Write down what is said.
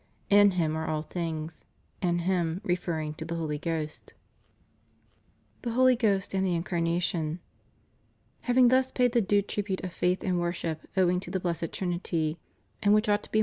"In Him are all things," in Him referring to the Holy Ghost. THE HOLY GHOST AND THE INCARNATION. Having thus paid the due tribute of faith and worship owing to the Blessed Trinity, and which ought to be more > St. Aug.